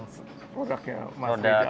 orang orang yang masih ada